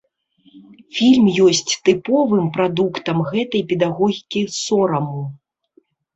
Фільм ёсць тыповым прадуктам гэтай педагогікі сораму.